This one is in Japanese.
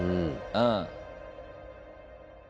うん。